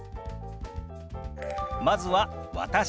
まずは「私」。